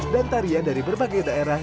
dan tarian dari berbagai daerah